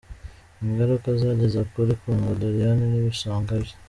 Ingaruka zageze kuri Kundwa Doriane n’ibisonga bye.